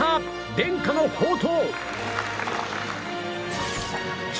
伝家の宝刀！